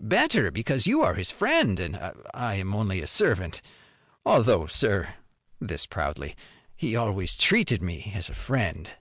Better, because you are his friend and I am only a servant. Although, sir," this proudly, "he always treated me as a friend."